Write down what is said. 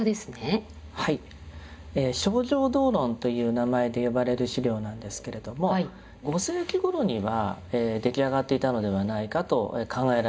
「清浄道論」という名前で呼ばれる資料なんですけれども５世紀頃には出来上がっていたのではないかと考えられている資料なんです。